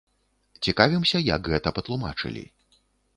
Цікавімся, як гэта патлумачылі.